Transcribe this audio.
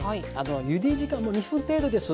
ゆで時間も２分程度です。